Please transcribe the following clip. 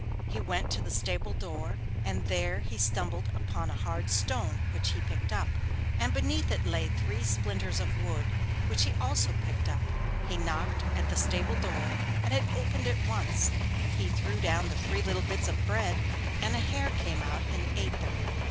He went to the stable door, and there he stumbled against a hard stone, which he picked up, and beneath it lay three splinters of wood, which he also picked up. He knocked at the stable door and it opened at once. He threw down the three little bits of bread and a hare came out and ate them.